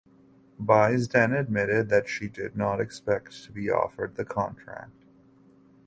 Baisden admitted that she did not expect to be offered the contract.